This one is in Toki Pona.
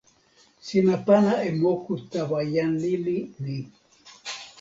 sina pana e moku tawa jan lili ni.